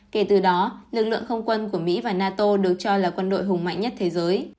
kể từ đó lực lượng không quân của mỹ và nato được cho là quân đội hùng mạnh nhất thế giới